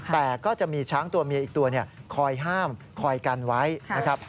แต่ก็จะมีช้างตัวเมียอีกตัวคอยห้ามคอยกันไว้นะครับ